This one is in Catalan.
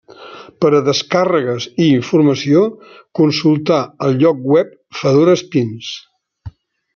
Per a descàrregues i informació consultar el lloc web Fedora Spins.